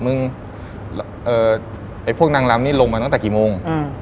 มึงไอ้พวกนางลำนี่ลงมาตั้งแต่กี่โมง